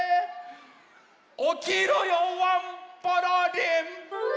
おきろよワンポロリン！